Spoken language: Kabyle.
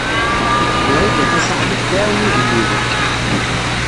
Wrida Tasaḥlit tɛawen igellilen.